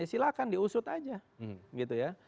silahkan diusut aja gitu ya